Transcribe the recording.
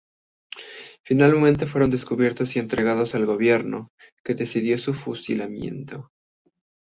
Finalmente fueron descubiertos y entregados al Gobierno, que decidió su fusilamiento.